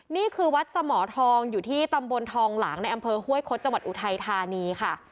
นี่คือวัดสมทองอยู่ที่ตำบลทองหลางในอำเภอห้วยคดจังหวัดอุทัยธานีค่ะ